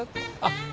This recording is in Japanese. あっ。